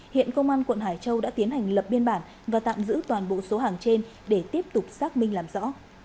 hiện công an quận hải châu đã tiến hành lập biên bản và tạm giữ toàn bộ số hàng trên để tiếp tục xác minh làm rõ